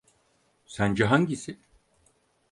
Sence hangisi?